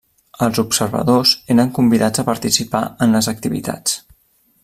Els observadors eren convidats a participar en les activitats.